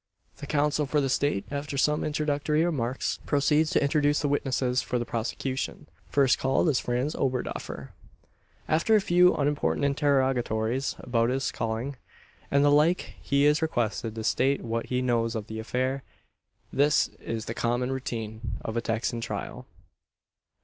The counsel for the State, after some introductory remarks, proceeds to introduce the witnesses for the prosecution. First called is Franz Oberdoffer. After a few unimportant interrogatories about his calling, and the like, he is requested to state what he knows of the affair. This is the common routine of a Texan trial.